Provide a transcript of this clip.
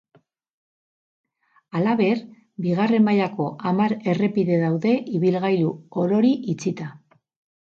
Halaber, bigarren mailako hamar errepide daude ibilgailu orori itxita.